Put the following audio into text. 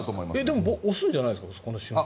でも押すんじゃないですかこの瞬間。